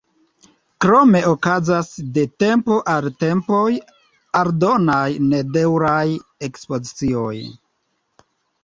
Krome okazas de tempo al tempoj aldonaj nedaŭraj ekspozicioj.